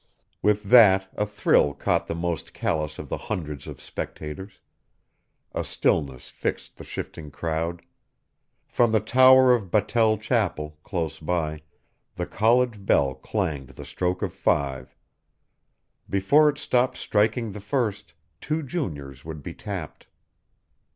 With that, a thrill caught the most callous of the hundreds of spectators; a stillness fixed the shifting crowd; from the tower of Battell chapel, close by, the college bell clanged the stroke of five; before it stopped striking the first two juniors would be tapped.